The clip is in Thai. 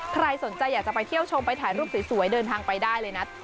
ใครสนใจอยากจะไปเที่ยวชมไปถ่ายรูปสวยเดินทางไปได้เลยนะ